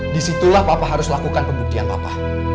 di situlah papa harus lakukan pembuktian papa